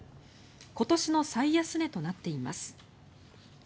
今年の最安値となっています。